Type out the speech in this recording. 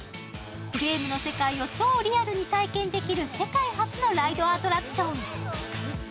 ゲームの世界を超リアルに体験できる世界初のライドアトラクション。